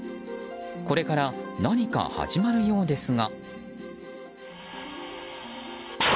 これから何か始まるようですが。